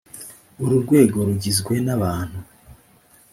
uru rwego rugizwe n abantu